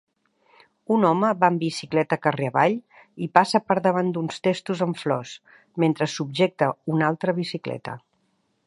Un home va amb bicicleta carrer avall i passa per davant d'uns testos amb flors, mentre subjecta una altra bicicleta.